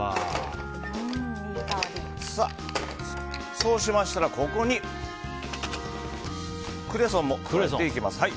そうしましたらここにクレソンも加えていきます。